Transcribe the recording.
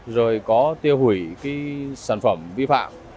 rồi có tiêu hủy cái sản phẩm vi phạm